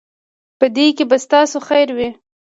په دې کې به ستاسو خیر وي.